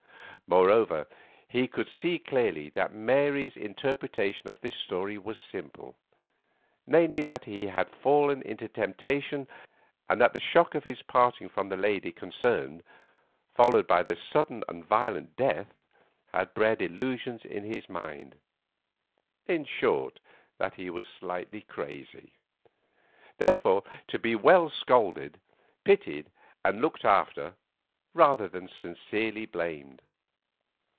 Moreover, he could see clearly that Mary's interpretation of this story was simple; namely, that he had fallen into temptation, and that the shock of his parting from the lady concerned, followed by her sudden and violent death, had bred illusions in his mind. In short, that he was slightly crazy; therefore, to be well scolded, pitied, and looked after rather than sincerely blamed.